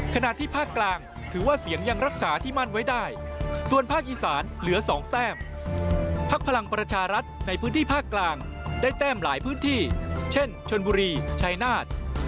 ขณะที่ภาคกลางถือว่าเสียงยังรักษาที่มั่นไว้ได้ส่วนภาคอีสานเหลือ๒แต้มพักพลังประชารัฐในพื้นที่ภาคกลางได้แต้มหลายพื้นที่เช่นชนบุรีชายนาฏ